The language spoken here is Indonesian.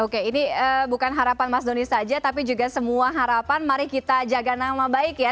oke ini bukan harapan mas doni saja tapi juga semua harapan mari kita jaga nama baik ya